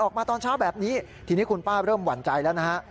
ออกมาตอนเช้าแบบนี้ทีนี้คุณป้าเริ่มหวั่นใจแล้วนะฮะ